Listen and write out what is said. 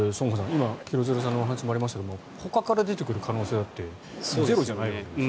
今、廣津留さんのお話にもありましたがほかから出てくる可能瀬もゼロじゃないですからね。